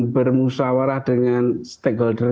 bermusawarah dengan stakeholder